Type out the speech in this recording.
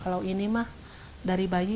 kalau irfan mah kondisinya bagus